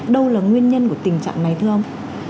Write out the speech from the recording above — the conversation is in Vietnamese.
đâu là nguyên nhân của tình trạng này thưa ông